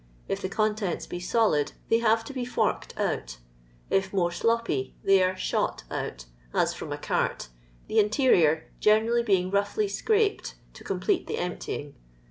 If the contents be solid, they have to be forked oat ; if more sloppy, they are shot out, as from a cart, the interior genendly being rouglily scraped to complete the emptying.